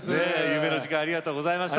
夢の時間ありがとうございました。